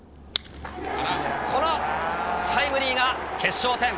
このタイムリーが決勝点。